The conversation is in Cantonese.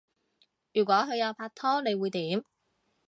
如果佢有拍拖你會點？